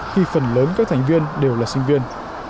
khi phần lớn các thành viên đều là sinh viên